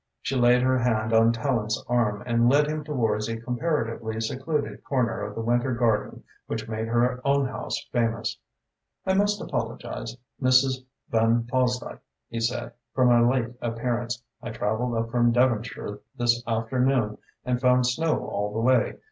She laid her hand on Tallente's arm and led him towards a comparatively secluded corner of the winter garden which made her own house famous. "I must apologise, Mrs. Van Fosdyke," he said, "for my late appearance. I travelled up from Devonshire this afternoon and found snow all the way.